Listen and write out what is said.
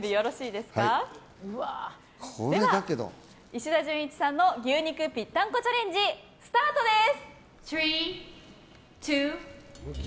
では、石田純一さんの牛肉ぴったんこチャレンジスタートです。